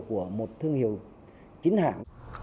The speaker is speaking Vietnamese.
của một thương hiệu chính hàng